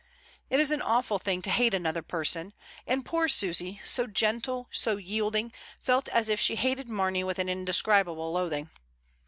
It is an awful thing to hate another person; and poor Susy, so gentle, so yielding, felt as if she hated Mamey with an indescribable loathing.